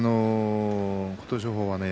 琴勝峰はね